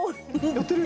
やってる！